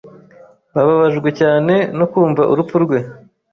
Bababajwe cyane no kumva urupfu rwe.